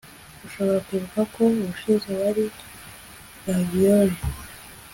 Urashobora kwibuka ko ubushize wariye ravioli